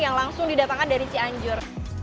yang langsung didatangkan dari cianjur